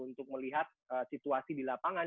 untuk melihat situasi di lapangan